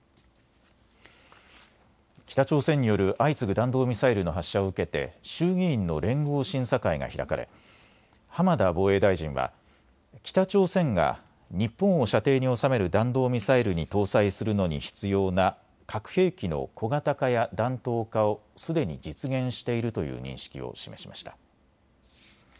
北朝鮮による相次ぐ弾道ミサイルの発射を受けて衆議院の連合審査会が開かれ浜田防衛大臣は北朝鮮が日本を射程に収める弾道ミサイルに搭載するのに必要な核兵器の小型化や弾頭化をすでに実現しているという認識を示しました。